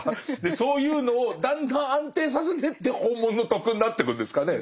そういうのをだんだん安定させてって本物の「徳」になってくんですかね。